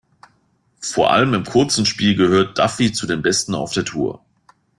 Vor allem im kurzen Spiel gehört Duffy zu den Besten auf der Tour.